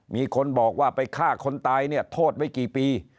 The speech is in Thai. มีคนบอกว่าไปฆ่าคนตายเนี่ยโทษไว้กี่ปี